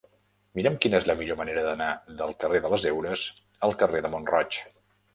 Mira'm quina és la millor manera d'anar del carrer de les Heures al carrer de Mont-roig.